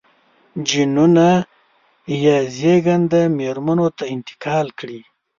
جینونه یې زېږنده مېرمنو ته انتقال کړي.